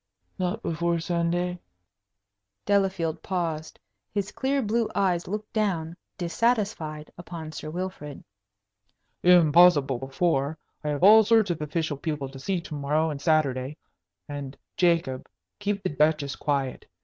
"Not before Sunday?" Delafield paused. His clear blue eyes looked down, dissatisfied, upon Sir Wilfrid. "Impossible before. I have all sorts of official people to see to morrow and Saturday. And, Jacob, keep the Duchess quiet.